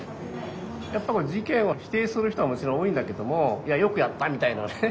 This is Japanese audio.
やっぱ事件を否定する人はもちろん多いんだけどもよくやったみたいなね